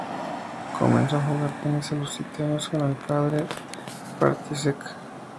Comenzó a jugar tenis a los siete años con el padre, František.